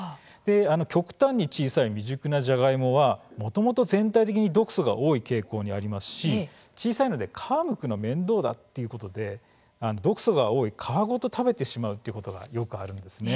極端に小さい未熟なジャガイモはもともと全体的に毒素が多い傾向にありますし小さいので皮をむくのが面倒だということで毒素が多い皮ごと食べてしまうということがよくあります。